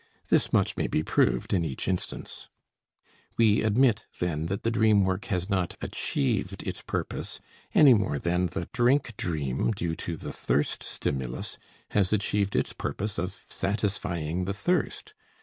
This much may be proved in each instance. We admit, then, that the dream work has not achieved its purpose any more than the drink dream due to the thirst stimulus has achieved its purpose of satisfying the thirst.